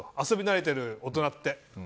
遊び慣れてる大人って。